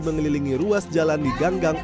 mengelilingi ruas jalan di ganggang